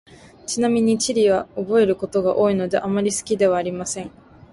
ちなみに、地理は覚えることが多いので、あまり好きではありません。